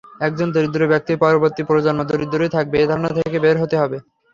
একজন দরিদ্র ব্যক্তির পরবর্তী প্রজন্ম দরিদ্রই থাকবে—এ ধারণা থেকে বের হতে হবে।